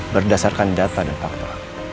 berdasarkan data dan fakta